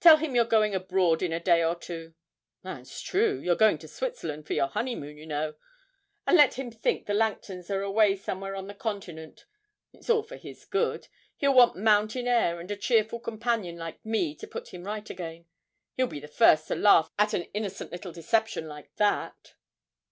Tell him you're going abroad in a day or two (that's true; you're going to Switzerland for your honeymoon, you know), and let him think the Langtons are away somewhere on the Continent. It's all for his good; he'll want mountain air and a cheerful companion like me to put him right again. He'll be the first to laugh at an innocent little deception like that.'